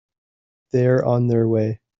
They're on their way.